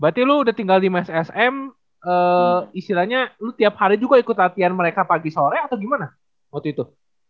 berarti lu udah tinggal di messm istilahnya lu tiap hari juga ikut latihan mereka pagi sore atau gimana waktu itu